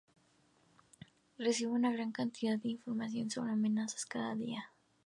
Recibo una gran cantidad de información sobre amenazas cada día.